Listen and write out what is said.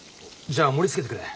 じゃあ盛りつけてくれ。